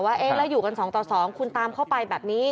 เอ๊ะแล้วอยู่กัน๒ต่อ๒คุณตามเข้าไปแบบนี้